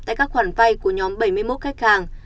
tại các khoản vay của nhóm bảy mươi một khách hàng